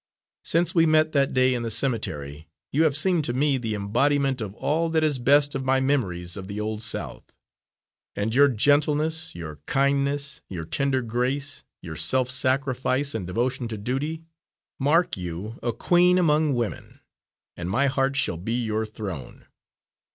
Since we met that day in the cemetery you have seemed to me the embodiment of all that is best of my memories of the old South; and your gentleness, your kindness, your tender grace, your self sacrifice and devotion to duty, mark you a queen among women, and my heart shall be your throne.